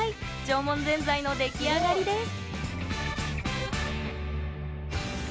縄文ぜんざいの出来上がりです。